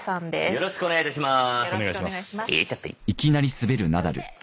よろしくお願いします。